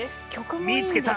「みいつけた！」